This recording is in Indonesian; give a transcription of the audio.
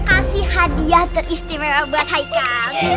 kasih hadiah teristimewa buat haikal